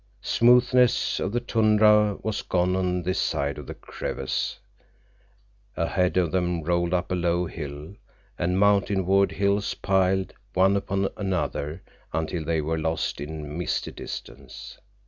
Smoothness of the tundra was gone on this side of the crevasse. Ahead of them rolled up a low hill, and mountainward hills piled one upon another until they were lost in misty distance.